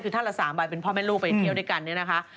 คือท่านละ๓ใบเป็นพ่อแม่ลูกไปเที่ยวด้วยกันเนี่ยนะคะ